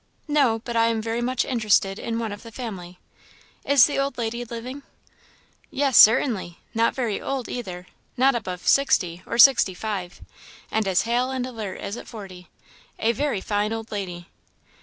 "No; but I am very much interested in one of the family. Is the old lady living?" "Yes, certainly; not very old, either not above sixty, or sixty five; and as hale and alert as at forty. A very fine old lady."